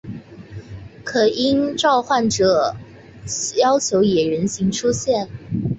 可应召唤者要求以人形出现。